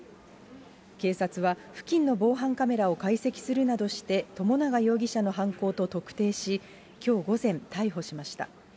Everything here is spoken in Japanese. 警察は、付近の防犯カメラを解析するなどして、友永容疑者の犯行と特定し、きょう午前、逮捕しました。